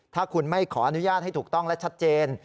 ถ้าคุณไม่ขออนุญาตให้ถูกต้องและชัดเจน